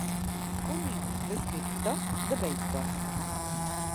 Unió d'Escriptors de Beisbol.